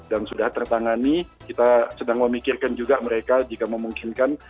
dan sudah tertangani kita sedang memikirkan juga mereka jika memungkinkan